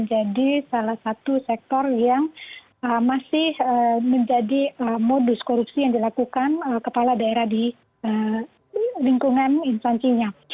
jadi salah satu sektor yang masih menjadi modus korupsi yang dilakukan kepala daerah di lingkungan instansinya